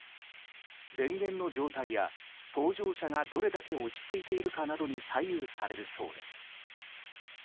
電源の状態や、搭乗者がどれだけ落ち着いているかなどに左右されるそうです。